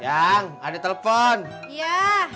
yang ada telepon ya